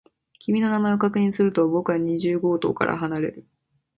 君の名前を確認すると、僕は二十号棟から離れる。